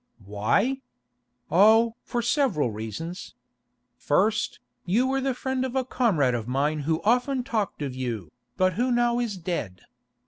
"Why? Oh! for several reasons. First, you were the friend of a comrade of mine who often talked of you, but who now is dead.